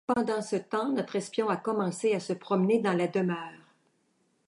Pendant ce temps, notre espion a commencé à se promener dans la demeure.